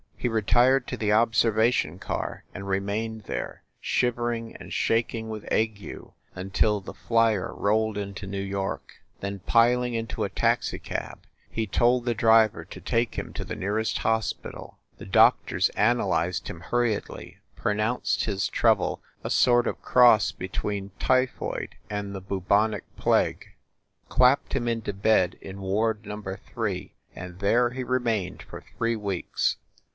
He retired to the observation car and remained there, shivering and shaking with ague until the flyer rolled into New York. Then, piling into a taxicab, he told the driver to take him to the nearest hospital. The doctors analyzed him hurriedly, pronounced his trouble a sort of cross between typhoid and the bubonic plague clapped him into bed in ward num ber three, and there he remained for three weeks.